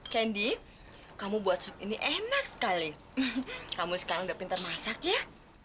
candy kamu buat ini enak sekali kamu sekarang pinter masak ya